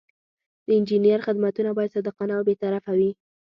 د انجینر خدمتونه باید صادقانه او بې طرفه وي.